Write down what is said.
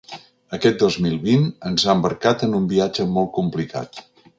Aquest dos mil vint ens ha embarcat en un viatge molt complicat.